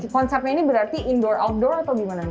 konsepnya ini berarti indoor outdoor atau gimana nih